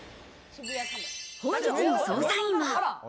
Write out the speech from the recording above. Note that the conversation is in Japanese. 本日の捜査員は。